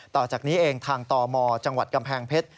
ต่อจากนี้เองทางตมจังหวัดกำแพงเพชร